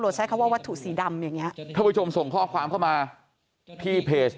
ใช้คำว่าวัตถุสีดำอย่างเงี้ยท่านผู้ชมส่งข้อความเข้ามาที่เพจ